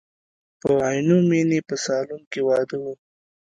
په عینومیني په سالون کې واده و.